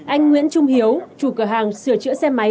anh nguyễn trung hiếu chủ cửa hàng sửa chữa xe máy